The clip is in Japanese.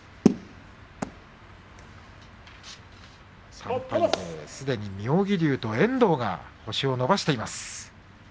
３敗勢、すでに妙義龍と遠藤が星を伸ばしています。